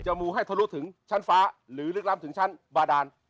มูให้ทะลุถึงชั้นฟ้าหรือลึกล้ำถึงชั้นบาดาน